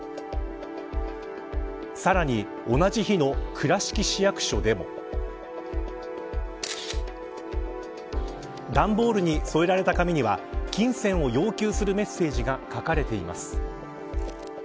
さらに、同じ日の倉敷市役所でも段ボールに添えられた紙には金銭を要求するメッセージが書かれています。